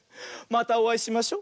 またおあいしましょ。